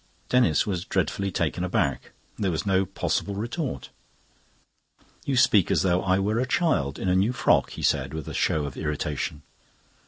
Denis was dreadfully taken aback. There was no possible retort. "You speak as though I were a child in a new frock," he said, with a show of irritation.